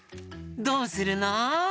どうするの？